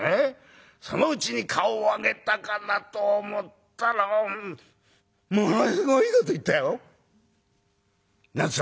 そのうちに顔を上げたかなと思ったらものすごいこと言ったよ」。